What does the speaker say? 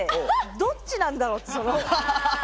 どっちなんだろって。